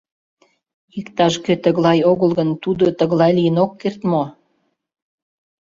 Иктаж-кӧ тыглай огыл гын, тудо тыглай лийын ок керт мо?